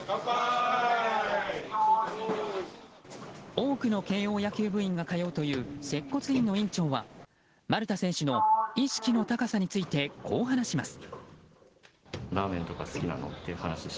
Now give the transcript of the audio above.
多くの慶應野球部員が通うという接骨院の院長は丸田選手の意識の高さについてこう話します。